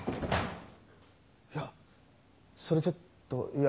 いやそれちょっといや